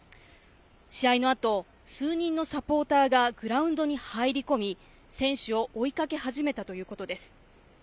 試合のあと数人のサポーターがグラウンドに入り込み、選手を追いかけ始めたということです。